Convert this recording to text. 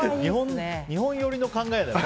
日本寄りの考えだよね。